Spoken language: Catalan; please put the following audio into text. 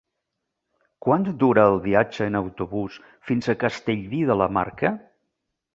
Quant dura el viatge en autobús fins a Castellví de la Marca?